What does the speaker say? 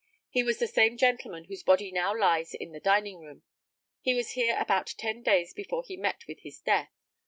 He was the same gentleman whose body now lies in the dining room. He was here about ten days before he met with his death.